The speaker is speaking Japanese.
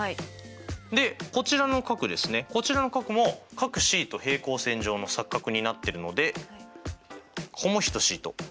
でこちらの角ですねこちらの角も角ｃと平行線上の錯角になってるのでここも等しいと。